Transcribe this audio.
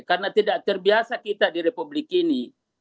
karena tidak terbiasa kita di republik ini